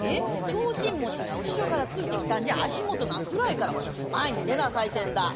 提灯持ちが後ろからついてきたんじゃ足元が暗いからほら前に出なさいてんだ」。